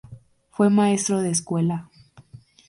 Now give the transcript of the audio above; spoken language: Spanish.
Fue maestro de escuela.